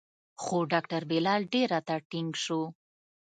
خو ډاکتر بلال ډېر راته ټينګ سو.